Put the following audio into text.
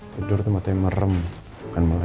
tidur tuh matanya merem bukan melek